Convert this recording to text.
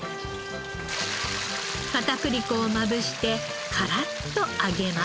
片栗粉をまぶしてカラッと揚げます。